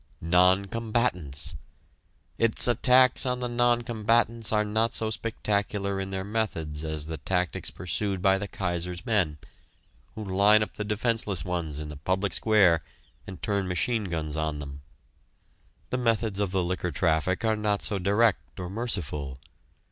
Non combatants! Its attacks on the non combatants are not so spectacular in their methods as the tactics pursued by the Kaiser's men, who line up the defenseless ones in the public square and turn machine guns on them. The methods of the liquor traffic are not so direct or merciful.